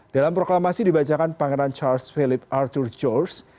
dalam proklamasi dibacakan pangeran charles philip arthur george